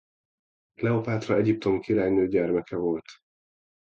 Kleopátra egyiptomi királynő gyermeke volt.